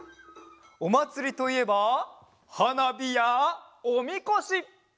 おまつりといえばはなびやおみこし！